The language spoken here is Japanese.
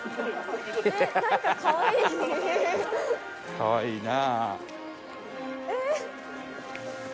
かわいいなあ。